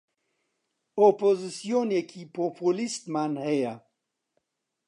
ئۆپۆزسیۆنێکی پۆپۆلیستمان هەیە